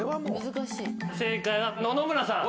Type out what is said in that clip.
正解は野々村さん。